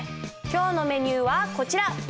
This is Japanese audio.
今日のメニューはこちら。